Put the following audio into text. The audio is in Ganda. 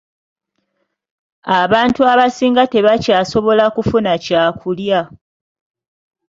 Abantu abasinga tebakyasobola kufuna kyakulya.